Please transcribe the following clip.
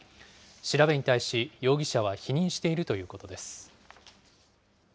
調べに対し、容疑者は否認しているということです。